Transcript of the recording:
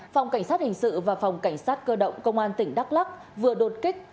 phòng cảnh sát hình sự và phòng cảnh sát cơ động công an tỉnh đắk lắc vừa đột kích